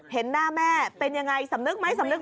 เห็นหน้าแม่เป็นยังไงสำนึกไหมสำนึก